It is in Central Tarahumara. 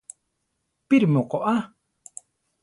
¿Píri mu koʼa?